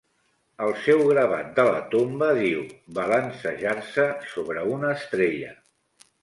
El seu gravat de la tomba diu: Balancejar-se sobre una estrella.